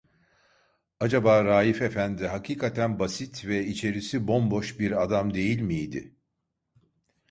Acaba Raif efendi hakikaten basit ve içerisi bomboş bir adam değil miydi?